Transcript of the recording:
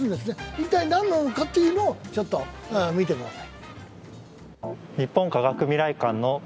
一体何なのかというのをちょっと見てください。